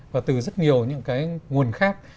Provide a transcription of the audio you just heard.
và từ rất nhiều những nguồn khác